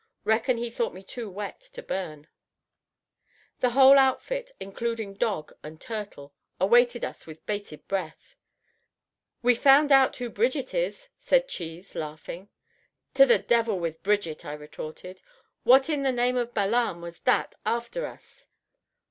Reckon he thought me too wet to burn. The whole outfit, including dog and turtle, awaited us with bated breath. "We've found out who Bridget is," said Cheese, laughing. "To the devil with Bridget!" I retorted. "What in the name of Balaam was that after us?"